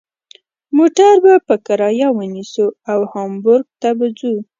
موټر به په کرایه ونیسو او هامبورګ ته به ځو.